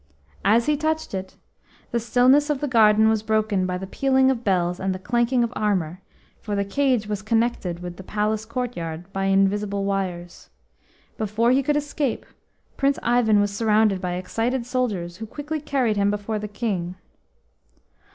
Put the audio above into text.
As he touched it, the stillness of the garden was broken by the pealing of bells and the clanking of armour, for the cage was connected with the palace courtyard by invisible wires. Before he could escape, Prince Ivan was surrounded by excited soldiers, who quickly carried him before the King.